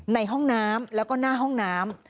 ในห้องน้ำแล้วก็หน้าห้องน้ำ